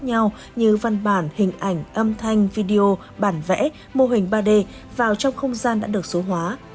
như văn bản hình ảnh âm thanh video bản vẽ mô hình ba d vào trong không gian đã được số hóa